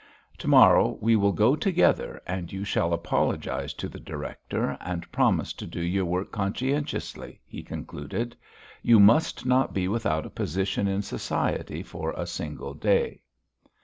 "To morrow we will go together, and you shall apologise to the director and promise to do your work conscientiously," he concluded. "You must not be without a position in society for a single day."